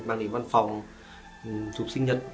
mang đi văn phòng chụp sinh nhật